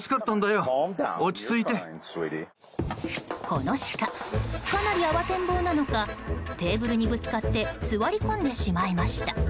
このシカかなり慌てん坊なのかテーブルにぶつかって座り込んでしまいました。